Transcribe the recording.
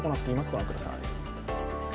ご覧ください。